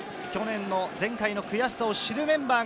前回の悔しさを知るメンバーだ。